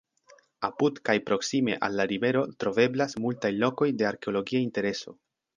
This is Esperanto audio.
Apud kaj proksime al la rivero troveblas multaj lokoj de arkeologia intereso.